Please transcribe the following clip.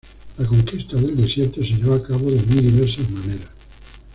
La conquista del desierto se llevó a cabo de muy diversas maneras.